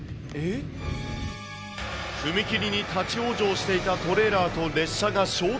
踏切に立往生していたトレーラーと列車が衝突。